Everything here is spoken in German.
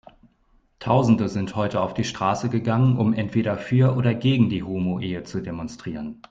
Tausende sind heute auf die Straße gegangen, um entweder für oder gegen die Homoehe zu demonstrieren.